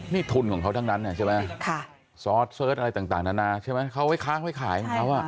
มีทุนของเขาทั้งนั้นซอสเสิร์ชอะไรต่างนานาเขาไว้ค้างไว้ขาย